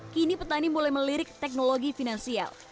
kini petani mulai melirik teknologi finansial